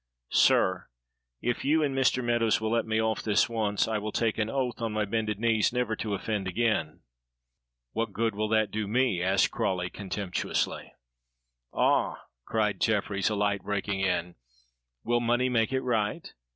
Sir, if you and Mr. Meadows will let me off this once, I will take an oath on my bended knees never to offend again." "What good will that do me?" asked Crawley contemptuously. "Ah!" cried Jefferies, a light breaking in, "will money make it right?